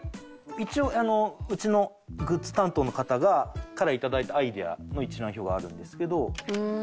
一応うちのグッズ担当の方からいただいたアイデアの一覧表はあるんですけど。